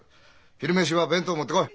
昼飯は弁当持ってこい。